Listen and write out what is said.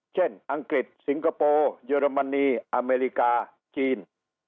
อังกฤษสิงคโปร์เยอรมนีอเมริกาจีน